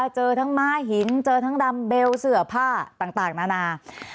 เจอทั้งม้าหินเจอทั้งดำเบลเสื้อผ้าต่างนานา